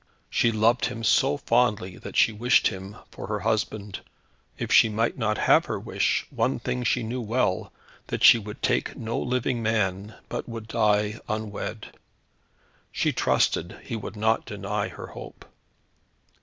She loved him so fondly that she wished him for her husband. If she might not have her wish, one thing she knew well, that she would take no living man, but would die unwed. She trusted he would not deny her hope.